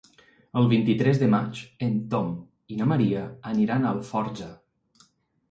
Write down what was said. El vint-i-tres de maig en Tom i na Maria aniran a Alforja.